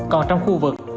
còn trong khu vực